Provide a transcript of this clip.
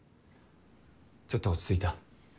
ちょっと落ち着いた？